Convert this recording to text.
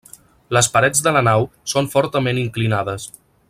Les parets de la nau són fortament inclinades.